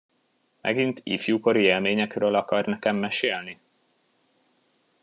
Megint ifjúkori élményekről akar nekem mesélni?